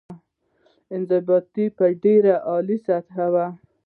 انضباط په ډېره عالي سطح کې وه.